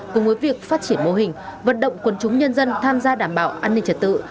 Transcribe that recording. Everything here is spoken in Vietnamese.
cùng với việc phát triển mô hình vận động quân chúng nhân dân tham gia đảm bảo an ninh trật tự